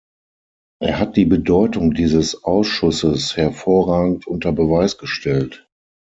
Er hat die Bedeutung dieses Ausschusses hervorragend unter Beweis gestellt.